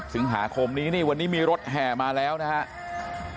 สิงหาคมนี้นี่วันนี้มีรถแห่มาแล้วนะครับ